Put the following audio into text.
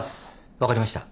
分かりました。